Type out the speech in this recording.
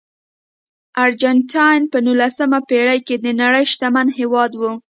ارجنټاین په نولسمه پېړۍ کې د نړۍ شتمن هېواد و.